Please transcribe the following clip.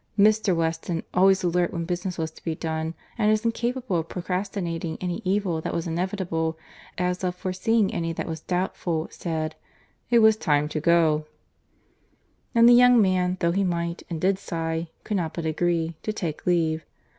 Mr. Weston, always alert when business was to be done, and as incapable of procrastinating any evil that was inevitable, as of foreseeing any that was doubtful, said, "It was time to go;" and the young man, though he might and did sigh, could not but agree, to take leave.